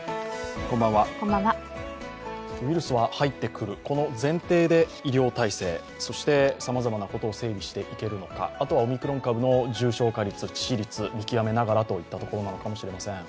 ウイルスは入ってくる、この前提で医療体制、そしてさまざまなことを整備していけるのか、あとはオミクロン株の重症化率致死率、見極めながらといったところなのかもしれません。